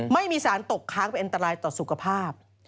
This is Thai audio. ไม่มีสารตกค้างเป็นอันตรายต่อสุขภาพ